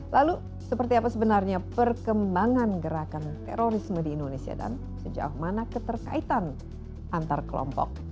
lalu seperti apa sebenarnya perkembangan gerakan terorisme di indonesia dan sejauh mana keterkaitan antar kelompok